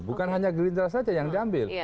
bukan hanya gerindra saja yang diambil